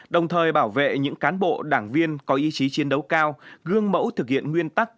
đồng thời bảo vệ những cán bộ đảng viên có ý chí chiến đấu cao gương mẫu thực hiện nguyên tắc